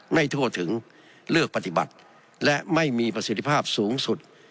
ทั่วถึงเลือกปฏิบัติและไม่มีประสิทธิภาพสูงสุด